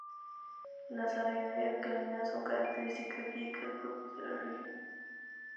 La salinidad y alcalinidad son características físicas propias de la región.